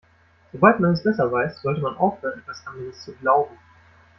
Sobald man es besser weiß, sollte man aufhören, etwas anderes zu glauben.